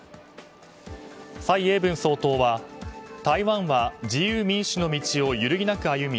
蔡英文総統は台湾は自由民主の道を揺るぎなく歩み